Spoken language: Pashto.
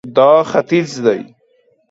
دا ختیځ دی